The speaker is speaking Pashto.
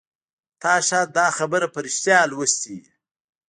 تا شاید دا خبر په ریښتیا لوستی وي